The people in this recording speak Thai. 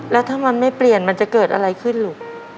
แล้วถ้ามันไม่เปลี่ยนมันจะเกิดอะไรขึ้นลูก